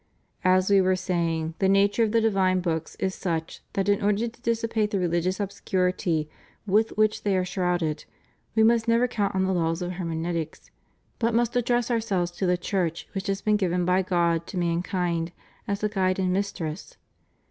^ As We were say ing, the nature of the divine books is such that in order to dissipate the religious obscurity with which they are shrouded we must never count on the laws of hermeneu tics, but must address ourselves to the Church which has been given by God to mankind as a guide and mistress.